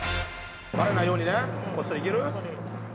バレないようにねこっそりいける？